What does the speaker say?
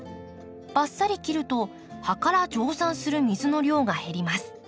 バッサリ切ると葉から蒸散する水の量が減ります。